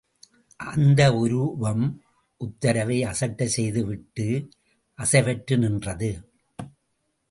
அந்த ஒருவம் உத்தரவை அசட்டைசெய்து விட்டு, அசைவற்று நின்றது.